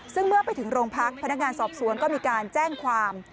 ซึ่งเมื่อไปถึงโรงพักพนักงานสอบสวนก็มีการแจ้งความ